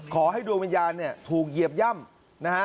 ขอให้ดวงวิญญาณเนี่ยถูกเหยียบย่ำนะฮะ